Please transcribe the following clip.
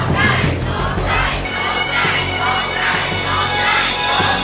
หรือว่าร้องผิดครับ